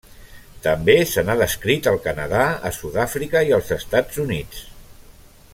També se n'ha descrit al Canadà, a Sud-àfrica i als Estats Units.